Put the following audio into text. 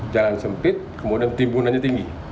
jalan sempit kemudian timbunannya tinggi